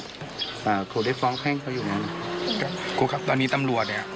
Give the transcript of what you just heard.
อ่าครูได้ฟ้องแพ่งเขาอยู่ไหมครับครูครับตอนนี้ตำรวจเนี้ย